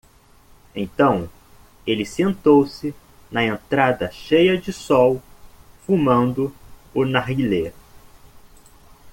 Então ele sentou-se na entrada cheia de sol, fumando o narguilé.